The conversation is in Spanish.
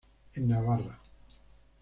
En Navarra.